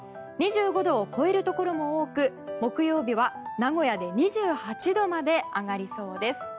２５度を超えるところも多く木曜日は名古屋で２８度まで上がりそうです。